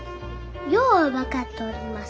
よう分かっとります。